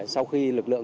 sau khi lực lượng